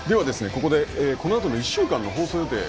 ここでこのあとの１週間の放送予定